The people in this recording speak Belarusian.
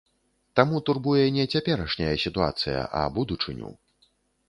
Таму турбуе не цяперашняя сітуацыя, а будучыню.